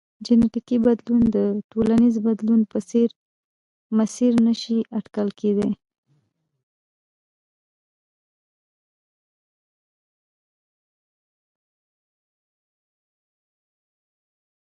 جنیټیکي بدلون د ټولنیز بدلون په څېر مسیر نه شي اټکل کېدای.